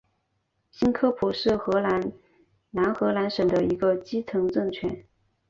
新科普是荷兰南荷兰省的一个基层政权。